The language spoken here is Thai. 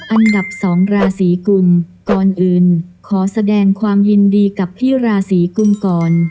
อันดับ๒ราศีกุมก่อนอื่นขอแสดงความยินดีกับพี่ราศีกุมก่อน